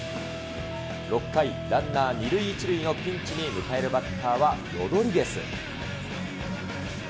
６回、ランナー２塁１塁のピンチに迎えるバッターはロドリゲス。